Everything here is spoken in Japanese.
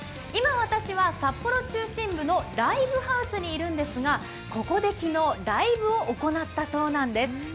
今、私は札幌中心部のライブハウスにいるんですがここで昨日、ライブを行ったそうなんです。